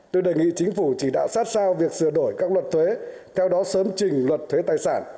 tôi đề nghị chính phủ chỉ đạo sát sao việc sửa đổi các luật thuế theo đó sớm trình luật thuế tài sản